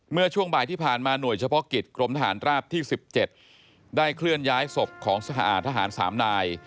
เมื่อช่วงบ่ายที่ผ่านมาหน่วยเฉพาะกิจกรมทหารราบที่๑๗ได้เคลื่อนย้ายศพของทหาร๓นาย